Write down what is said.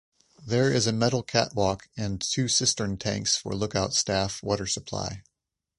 There is a metal catwalk and two cistern tanks for lookout staff water supply.